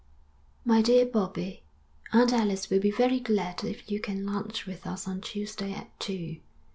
My Dear Bobbie: _Aunt Alice will be very glad if you can lunch with us on Tuesday at two.